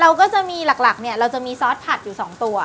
เราก็จะมีหลักเนี่ยเราจะมีซอสผัดอยู่๒ตัว